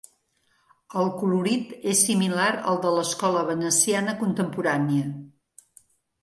El colorit és similar al de l'Escola veneciana contemporània.